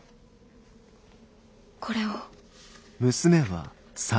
これを。